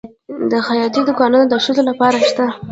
د خیاطۍ دوکانونه د ښځو لپاره شته؟